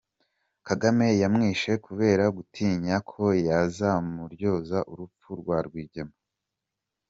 Kagame yamwishe kubera gutinya ko yazamuryoza urupfu rwa Rwigema.